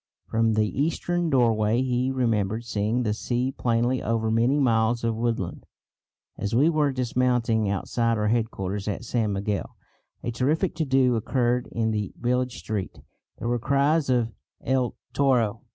From the eastern doorway he remembered seeing the sea plainly over many miles of woodland. As we were dismounting outside our headquarters at San Miguel a terrific to do occurred in the village street. There were cries of "El toro!